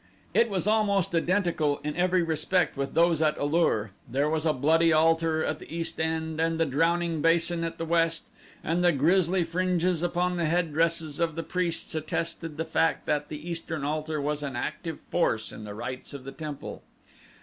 It was almost identical in every respect with those at A lur. There was a bloody altar at the east end and the drowning basin at the west, and the grizzly fringes upon the headdresses of the priests attested the fact that the eastern altar was an active force in the rites of the temple.